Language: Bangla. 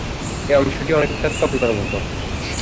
এই অংশটি অনেকটা তবলার মতো।